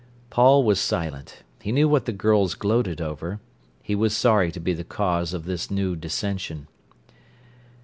Paul was silent. He knew what the girls gloated over. He was sorry to be the cause of this new dissension.